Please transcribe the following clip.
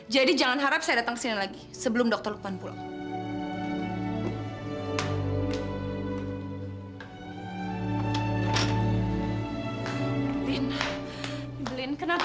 jadi jangan harap saya datang kesini lagi sebelum dokter lukman pulang